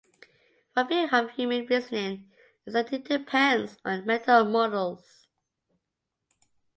One view of human reasoning is that it depends on mental models.